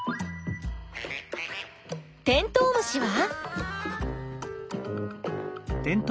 テントウムシは？